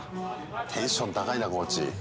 テンション高いなコーチ。